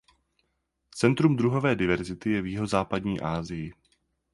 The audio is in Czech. Centrum druhové diverzity je v jihozápadní Asii.